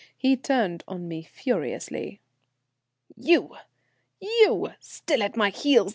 He turned on me furiously. "You! You! Still at my heels?